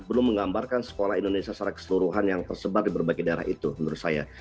belum menggambarkan sekolah indonesia secara keseluruhan yang tersebar di berbagai daerah itu menurut saya